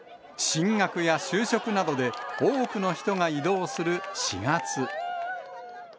進学や就職などで、多くの人が移動する４月。